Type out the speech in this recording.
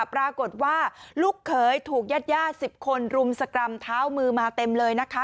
ปรากฏว่าลูกเขยถูกญาติญาติ๑๐คนรุมสกรรมเท้ามือมาเต็มเลยนะคะ